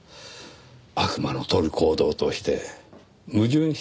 悪魔の取る行動として矛盾してはいないか。